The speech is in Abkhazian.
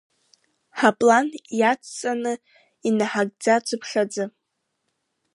Ҳаплан иацҵаны инаҳагӡацыԥхьаӡа,…